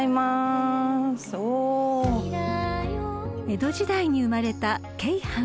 ［江戸時代に生まれた鶏飯］